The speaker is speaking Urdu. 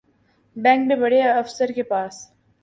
بینک میں بڑے افسر کے پاس